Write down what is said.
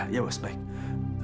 iya bos baik